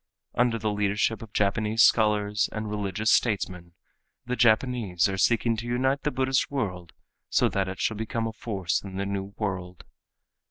Under the leadership of Japanese scholars and religious statesmen the Japanese are seeking to unite the Buddhist world so that it shall become a force in the new world.